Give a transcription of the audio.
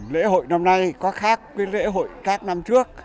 lễ hội năm nay có khác với lễ hội các năm trước